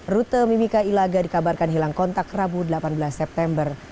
rute mimika ilaga dikabarkan hilang kontak rabu delapan belas september